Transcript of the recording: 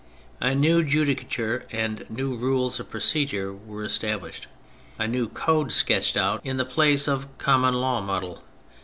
A new judicature and new rules of procedure were established. A new code sketched out in the place of '' Common Law '* muddle.